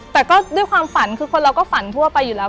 แต่ก็ด้วยความฝันคือคนเราก็ฝันทั่วไปอยู่แล้ว